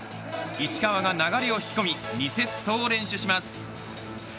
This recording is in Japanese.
石川が流れを引き込み２セットを連取します。